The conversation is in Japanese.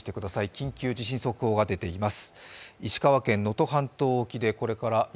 緊急地震速報が出ています。